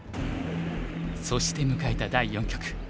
そして迎えた第四局。